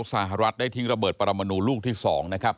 สหรัฐได้ทิ้งระเบิดปรมนูลูกที่๒นะครับ